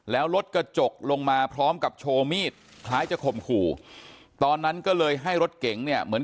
แล้วรถกระจกลงมาพร้อมกับโชว์มีดคล้ายจะข่มขู่ตอนนั้นก็เลยให้รถเก๋งเนี่ยเหมือน